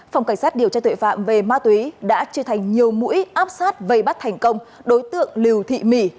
phòng cảnh sát điều tra tội phạm về ma túy đã chia thành nhiều mũi áp sát vây bắt thành công đối tượng liều thị mỹ